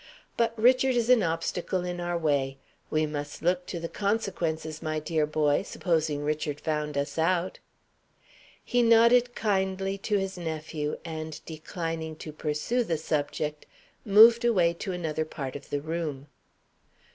But Richard is an obstacle in our way. We must look to the consequences, my dear boy, supposing Richard found us out." He nodded kindly to his nephew; and, declining to pursue the subject, moved away to another part of the room.